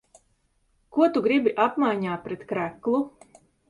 Ko tu gribi apmaiņā pret kreklu?